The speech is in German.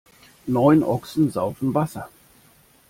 Neun Ochsen saufen Wasser.